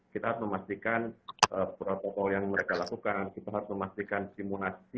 kita harus memastikan protokol yang mereka lakukan kita harus memastikan simulasi